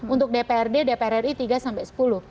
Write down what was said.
untuk dprd dprri tiga sampai sepuluh